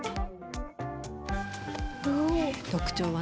特徴はね